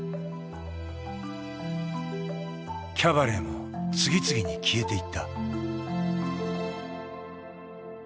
キャバレーも次々に消えていった。